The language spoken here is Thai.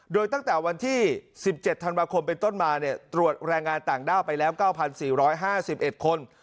โดยตั้งแต่วันที่๑๗ธันวาคมเป็นต้นมาตรวจแรงงานต่างด้าวไปแล้ว๙๔๕๑คน